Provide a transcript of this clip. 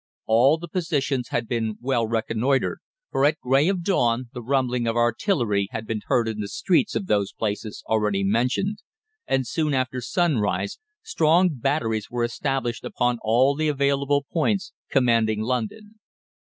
All the positions had been well reconnoitred, for at grey of dawn the rumbling of artillery had been heard in the streets of those places already mentioned, and soon after sunrise strong batteries were established upon all the available points commanding London.